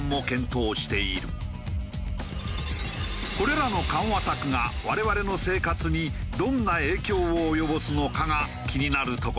これらの緩和策が我々の生活にどんな影響を及ぼすのかが気になるところだ。